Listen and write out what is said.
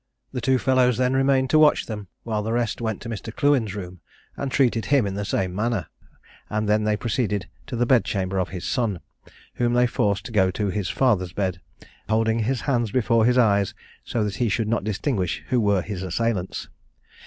Two fellows then remained to watch them, while the rest went to Mr. Clewen's room, and treated him in the same manner, and then they proceeded to the bed chamber of his son, whom they forced to go to his father's bed, holding his hands before his eyes, so that he should not distinguish who were his assailants.